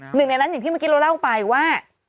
หนึ่งในนั้นอย่างที่เมื่อกี้เราเล่าไปว่า